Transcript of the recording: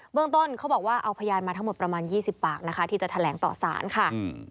เมืองต้นเขาบอกว่าเอาพยานมาทั้งหมดประมาณ๒๐ปากนะคะที่จะแถลงต่อสารค่ะ